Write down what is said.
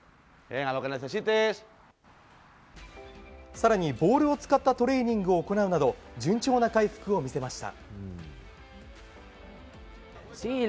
更に、ボールを使ったトレーニングを行うなど順調な回復を見せました。